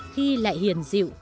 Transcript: khi lại hiền dịu